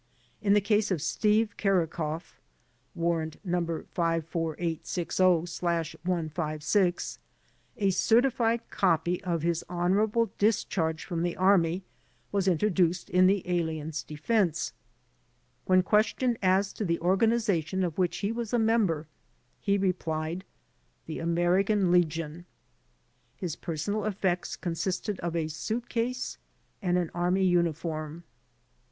In the case of Steve Kerekoff (Warrant No. 54860/156), a certified copy of his honorable discharge from the Army was in troduced in the alien's defense. When questioned as to the organization of which he was a member, he replied, "The American Legion." His personal effects consisted of a suitcase and an Army uniform.